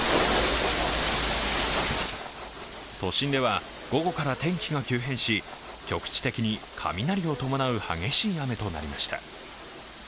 都心では午後から天気が急変し、局地的に雷を伴う激しい雨となりました。